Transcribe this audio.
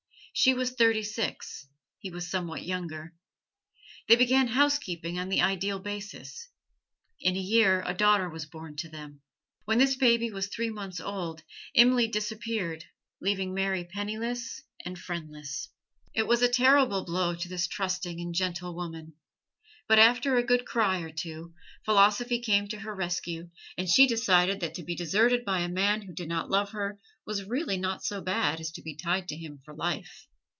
She was thirty six, he was somewhat younger. They began housekeeping on the ideal basis. In a year a daughter was born to them. When this baby was three months old, Imlay disappeared, leaving Mary penniless and friendless. It was a terrible blow to this trusting and gentle woman. But after a good cry or two, philosophy came to her rescue and she decided that to be deserted by a man who did not love her was really not so bad as to be tied to him for life.